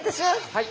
はい！